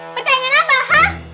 pertanyaan apa hah